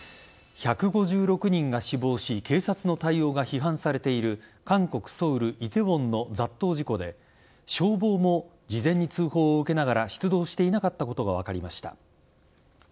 １５６人が死亡し警察の対応が批判されている韓国・ソウル梨泰院の雑踏事故で消防も事前に通報を受けながら出動していなかったことが分かりました。